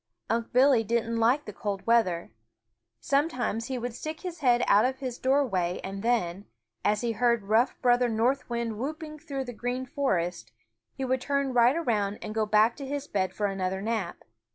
Unc' Billy didn't like the cold weather. Sometimes he would stick his head out of his doorway and then, as he heard rough Brother North Wind whooping through the Green Forest, he would turn right around and go back to his bed for another nap.